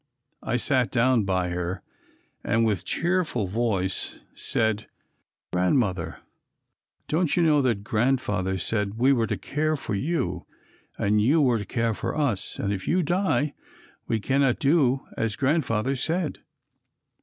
I sat down by her and with tearful voice said, "Grandmother, don't you know that Grandfather said we were to care for you and you were to care for us and if you die we cannot do as Grandfather said?"